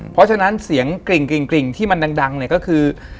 เพราะฉะนั้นเสียงกริ่งที่มันดังเนี่ยก็คือ